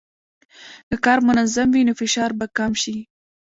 که کار منظم وي، نو فشار به کم شي.